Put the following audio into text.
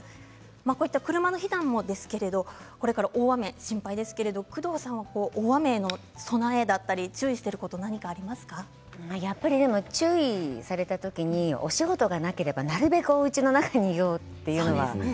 こういった車の避難もですけれどこれから大雨、心配ですけれど工藤さんは大雨の備えだったりやっぱり注意された時にお仕事がなければなるべくおうちの中にいようというのは。